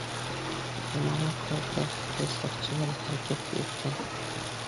بۇنىڭغا قارىتا خىتاي ساقچىلىرى ھەرىكەتكە ئۆتكەن .